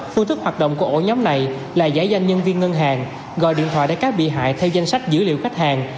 phương thức hoạt động của ổ nhóm này là giải danh nhân viên ngân hàng gọi điện thoại để các bị hại theo danh sách dữ liệu khách hàng